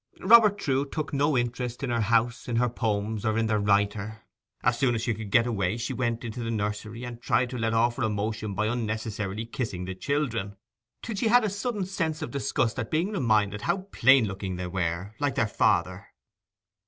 Robert Trewe took no interest in her house, in her poems, or in their writer. As soon as she could get away she went into the nursery and tried to let off her emotion by unnecessarily kissing the children, till she had a sudden sense of disgust at being reminded how plain looking they were, like their father.